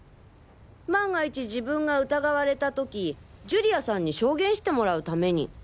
万が一自分が疑われたとき寿里亜さんに証言してもらうために。